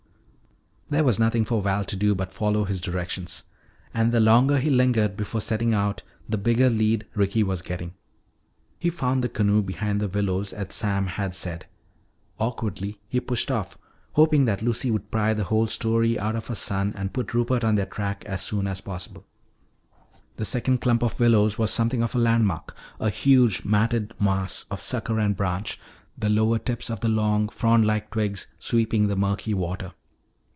There was nothing for Val to do but to follow his directions. And the longer he lingered before setting out the bigger lead Ricky was getting. He found the canoe behind the willows as Sam had said. Awkwardly he pushed off, hoping that Lucy would pry the whole story out of her son and put Rupert on their track as soon as possible. The second clump of willows was something of a landmark, a huge matted mass of sucker and branch, the lower tips of the long, frond like twigs sweeping the murky water.